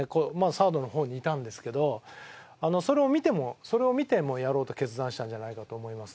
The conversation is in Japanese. サードの方にいたんですけどそれを見てもうそれを見てもうやろうと決断したんじゃないかと思います。